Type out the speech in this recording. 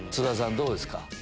どうですか？